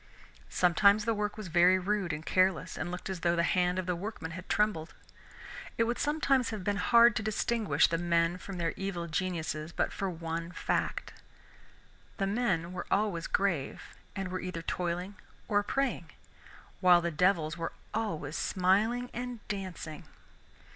Sometimes the work was very rude and careless, and looked as though the hand of the workman had trembled. It would sometimes have been hard to distinguish the men from their evil geniuses but for one fact, the men were always grave and were either toiling or praying, while the devils were always smiling and dancing.